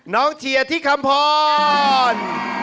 น้องเชียที่คำพร